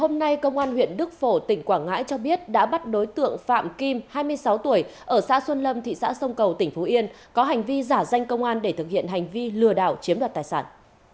hôm nay công an huyện đức phổ tỉnh quảng ngãi cho biết đã bắt đối tượng phạm kim hai mươi sáu tuổi ở xã xuân lâm thị xã sông cầu tỉnh phú yên có hành vi giả danh công an để thực hiện hành vi lừa đảo chiếm đoạt tài sản